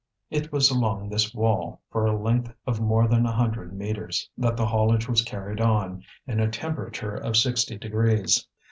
It was along this wall, for a length of more than a hundred metres, that the haulage was carried on, in a temperature of sixty degrees.